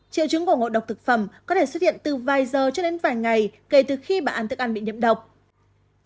triệu chứng của ngộ độc thực phẩm có thể xuất hiện từ vài giờ cho đến vài ngày kể từ khi bà ăn thức ăn bị nhiễm độc